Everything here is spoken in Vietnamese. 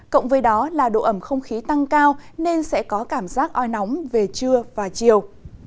cộng với đó là độ ẩm không khí tăng cao nên sẽ có cảm giác oi nóng về trưa và chiều